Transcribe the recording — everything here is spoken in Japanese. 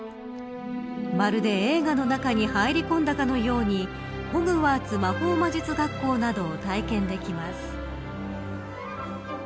まるで映画の中に入り込んだかのようにホグワーツ魔法魔術学校などを体験できます。